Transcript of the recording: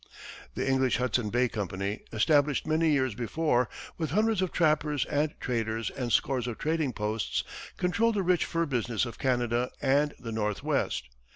The English Hudson Bay Company, established many years before, with hundreds of trappers and traders and scores of trading posts, controlled the rich fur business of Canada and the northwest.